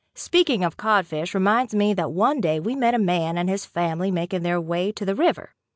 Speaking of codfish, reminds me that one day we met a man and his family making their way to the river.